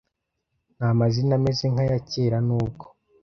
Nta mazina ameze nkayakera nubwo,